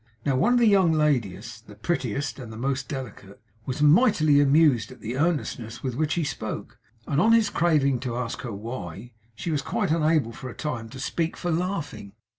Now, one of the young ladies the prettiest and most delicate was mightily amused at the earnestness with which he spoke; and on his craving leave to ask her why, was quite unable for a time to speak for laughing.